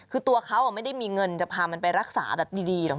คือตัวเขาไม่ได้มีเงินจะพามันไปรักษาแบบดีหรอก